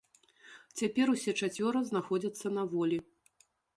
Цяпер усе чацвёра знаходзяцца на волі.